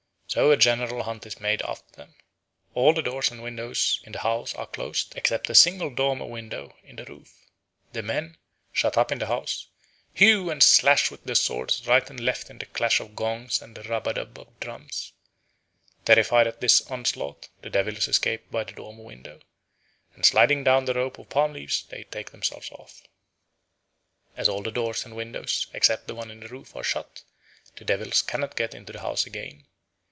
So a general hunt is made after them. All the doors and windows in the house are closed, except a single dormer window in the roof. The men, shut up in the house, hew and slash with their swords right and left to the clash of gongs and the rub a dub of drums. Terrified at this onslaught, the devils escape by the dormer window, and sliding down the rope of palm leaves take themselves off. As all the doors and windows, except the one in the roof, are shut, the devils cannot get into the house again.